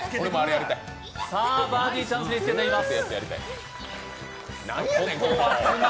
さぁ、バーディーチャンスにつけています。